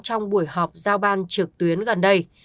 trong buổi họp giao ban trực tuyến gần đây